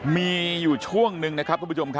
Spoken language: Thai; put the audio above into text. มีอยู่ช่วงนึงครับคุณผู้ชม